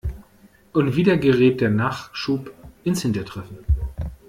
Und wieder gerät der Nachschub ins hintertreffen.